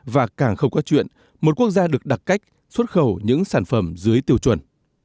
và càng không có chuyện một quốc gia được đặt cách xuất khẩu những sản phẩm dưới tiêu chuẩn